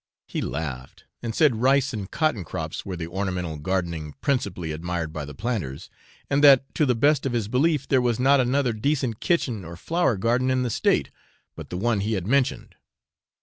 He laughed, and said rice and cotton crops were the ornamental gardening principally admired by the planters, and that, to the best of his belief, there was not another decent kitchen or flower garden in the State, but the one he had mentioned.